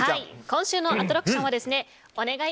今週のアトラクションはお願い！